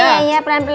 ya ya pelan pelan